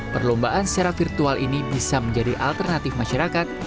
perlombaan secara virtual ini bisa menjadi alternatif masyarakat